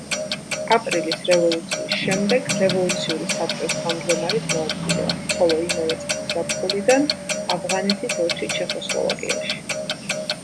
აპრილის რევოლუციის შემდეგ რევოლუციური საბჭოს თავმჯდომარის მოადგილეა, ხოლო იმავე წლის ზაფხულიდან ავღანეთის ელჩი ჩეხოსლოვაკიაში.